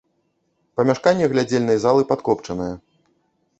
Памяшканне глядзельнай залы падкопчанае.